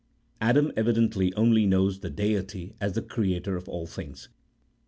Adam evidently only knew the Deity as the Creator of all things.